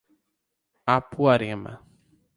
Apuarema